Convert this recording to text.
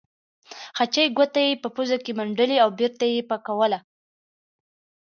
خچۍ ګوته یې په پوزه کې منډلې او بېرته یې پاکوله.